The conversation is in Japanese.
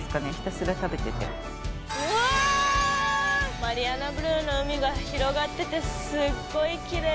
マリアナブルーの海が広がっててすっごいきれい！